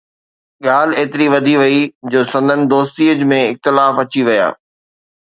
ڳالهه ايتري وڌي وئي جو سندن دوستيءَ ۾ اختلاف اچي ويا